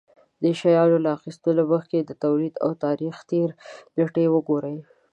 د شيانو له اخيستلو مخکې يې د توليد او تاريختېر نېټې وگورئ.